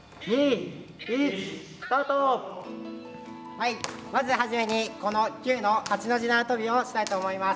はいまず始めにこの球の８の字縄跳びをしたいと思います。